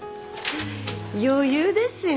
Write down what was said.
余裕ですよ